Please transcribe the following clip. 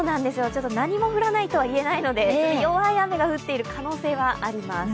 何も降らないとはいえないので弱い雨が降っている可能性はあります。